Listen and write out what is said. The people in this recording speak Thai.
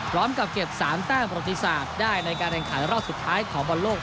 พร้อมกับเก็บ๓แต้มประติศาสตร์ได้ในการแข่งขันรอบสุดท้ายของบอลโลก